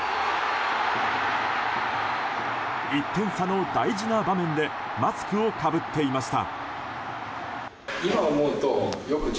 １点差の大事な場面でマスクをかぶっていました。